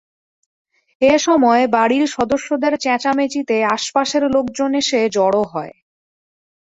এ সময় বাড়ির সদস্যদের চেচাঁমেচিতে আশপাশের লোকজন এসে জড়ো হয়।